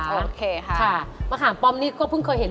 โอเคค่ะมะขามป้อมนี่ก็เพิ่งเคยเห็น